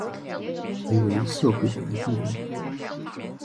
成为社会的一部分